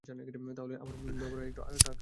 তাহলে আমার চেহারায় একটু লাগিয়ে দাও?